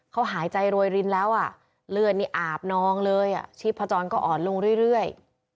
เขาหายใจรวยรินแล้วอ่ะเลือดนี่อาบนองเลยอ่ะชีพจรก็อ่อนลงเรื่อย